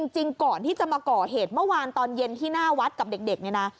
จริงก่อนที่จะมาก่อเหตุเมื่อวานตอนเย็นที่หน้าวัดกับเด็กเนี่ยนะ